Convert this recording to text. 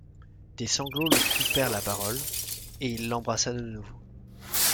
Des sanglots lui coupèrent la parole, et il l’embrassa de nouveau.